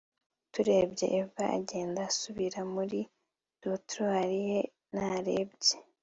twarebye eva agenda asubira muri dortoir ye. narebye